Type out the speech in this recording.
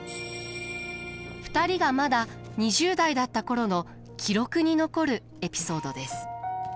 ２人がまだ２０代だった頃の記録に残るエピソードです。